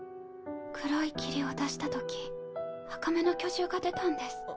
黒い霧を出したとき赤目の巨獣が出たんです。